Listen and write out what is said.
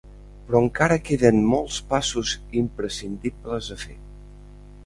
Però encara queden molts passos imprescindibles a fer.